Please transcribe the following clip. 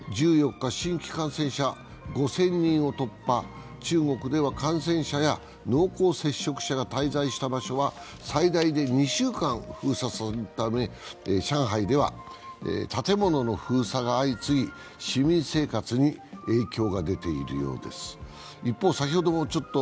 １４日、新規感染者５０００人を突破中国では感染者や濃厚接触者が滞在した場所は最大で２週間封鎖するため、上海では建物の封鎖が相次ぎ、市民生活に影響が出ているようです。